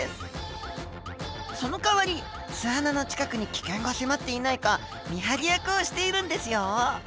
そのかわり巣穴の近くに危険が迫っていないか見張り役をしているんですよ。